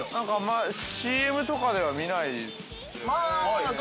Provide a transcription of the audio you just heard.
◆ＣＭとかでは見ないですよね。